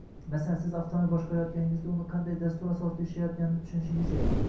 Masalan, siz avtomobil boshqarayotganingizda uni qanday dastur asosida ishlayotganini tushunishingiz kerak.